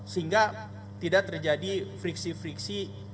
sehingga tidak terjadi friksi friksi